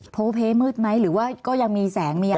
โพเพมืดไหมหรือว่าก็ยังมีแสงมีอะไร